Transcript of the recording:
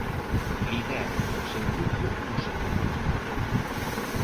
Lidera o seu grupo con solvencia.